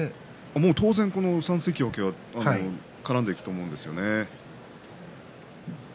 当然この３関脇は絡んでいくと思うんですよね。